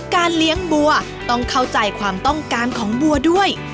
เลี้ยงบัวต้องเข้าใจความต้องการของบัวด้วย